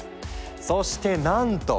そしてなんと！